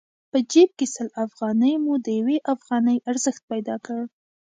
په جېب کې سل افغانۍ مو د يوې افغانۍ ارزښت پيدا کړ.